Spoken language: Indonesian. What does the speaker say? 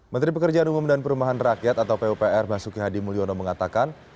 menteri pekerjaan umum dan perumahan rakyat atau pupr basuki hadi mulyono mengatakan